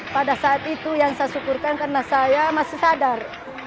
pada saat itu yang saya syukurkan karena saya masih sadar